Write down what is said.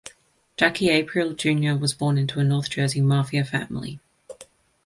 Jackie Aprile Junior was born into a North Jersey mafia family.